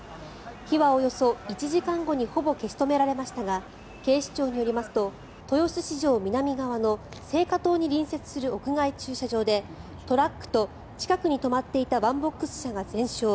火はおよそ１時間後にほぼ消し止められましたが警視庁によりますと豊洲市場南側の青果棟に隣接する屋外駐車場でトラックと近くに止まっていたワンボックス車が全焼。